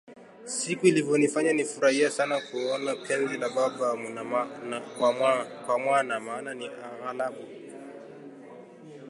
Siku iliyonifanya nifurahie sana na kuona penzi la baba kwa mwana maana ni aghalabu